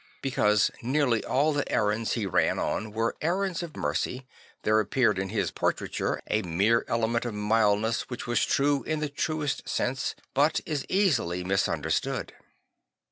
Because nearly all the errands he ran on were errands of mercy, there appeared in his portraiture a mere element of mildness which was true in the truest sense, but is easily misunderstood.